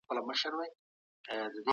ایا افغان سوداګر بادام اخلي؟